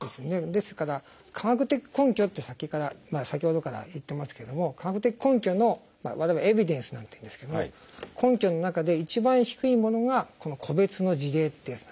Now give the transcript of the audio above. ですから科学的根拠って先ほどから言ってますけども科学的根拠の我々は「エビデンス」なんて言うんですけども根拠の中で一番低いものがこの個別の事例ってやつなんです。